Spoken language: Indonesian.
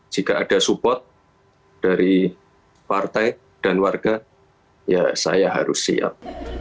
jika ada support dari partai dan warga ya saya harus siap